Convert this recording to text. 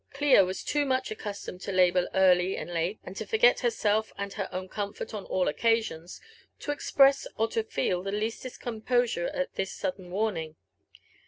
'' Clio was too much accustomed to labour early and late, and to forget herself and her own comfort on all occasions, to express or to feel the least discomposure at this sudden warning.